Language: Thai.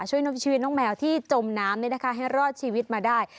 ช่วยชีวิตน้องแมวที่จมน้ำให้รอดชีวิตมาได้